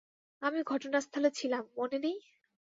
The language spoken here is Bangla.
আমি ঘটনাস্থলে ছিলাম, মনে নেই?